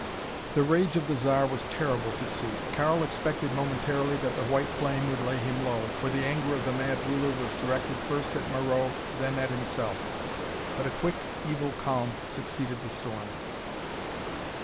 The rage of the Zar was terrible to see. Karl expected momentarily that the white flame would lay him low, for the anger of the mad ruler was directed first at Moreau, then at himself. But a quick, evil calm succeeded the storm.